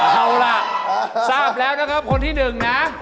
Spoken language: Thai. เอาล่ะทราบแล้วนะครับคนที่หนึ่งนะ